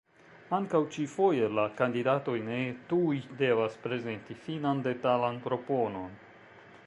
Ankaŭ ĉi-foje la kandidatoj ne tuj devas prezenti finan, detalan proponon.